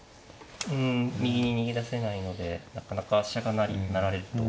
うん右に逃げ出せないのでなかなか飛車が成られると。